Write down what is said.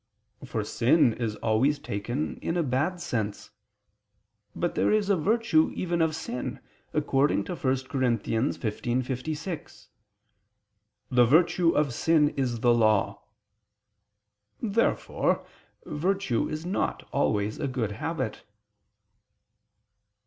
For sin is always taken in a bad sense. But there is a virtue even of sin; according to 1 Cor. 15:56: "The virtue [Douay: 'strength'] of sin is the Law." Therefore virtue is not always a good habit.